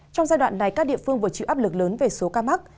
trong giai đoạn này các địa phương vừa chịu áp lực lớn về số ca mắc